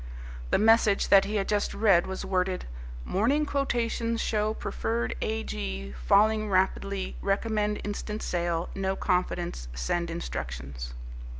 The message that he had just read was worded, "Morning quotations show preferred A. G. falling rapidly recommend instant sale no confidence send instructions."